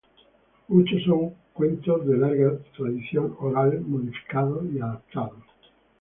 Muchos son cuentos de larga tradición oral, modificado y adaptados.